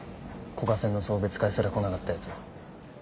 古賀センの送別会すら来なかったやつ。